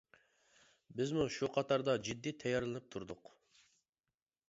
بىزمۇ شۇ قاتاردا جىددىي تەييارلىنىپ تۇردۇق.